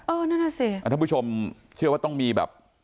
เออนั่นแหละสิถ้าท่านผู้ชมเชื่อว่าต้องมีแบบ